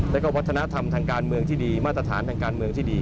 แล้วก็วัฒนธรรมทางการเมืองที่ดีมาตรฐานทางการเมืองที่ดี